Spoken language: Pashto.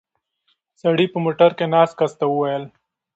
سړي په موټر کې ناست کس ته وکتل.